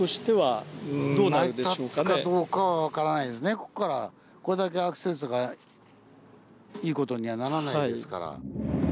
もしこれだけアクセスがいいことにはならないですから。